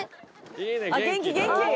元気元気。